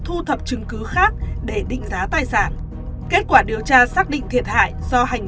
thu thập chứng cứ khác để định giá tài sản kết quả điều tra xác định thiệt hại do hành